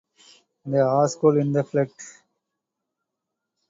The asshole in the fleet.